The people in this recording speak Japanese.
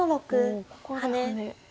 おおここでハネ。